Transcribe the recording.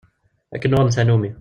Akken uɣen tanumi.